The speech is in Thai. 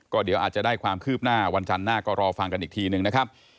เดี๋ยวอาจจะได้ความคืบหน้าวันจันทร์หน้าก็รอฟังกันอีกทีหนึ่งนะครับ